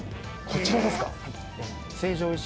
こちらですか？